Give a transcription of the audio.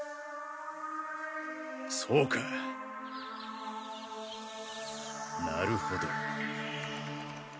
そうかなるほど。